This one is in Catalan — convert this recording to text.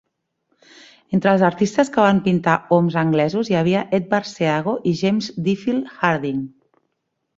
Entre els artistes que van pintar oms anglesos hi havia Edward Seago i James Duffield Harding.